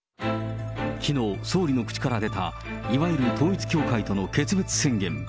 きのう、総理の口から出た、いわゆる統一教会との決別宣言。